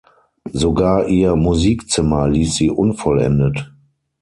Sogar ihr Musikzimmer ließ sie unvollendet.